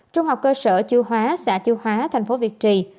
trung học cơ sở chưu hóa xã chưu hóa thành phố việt trì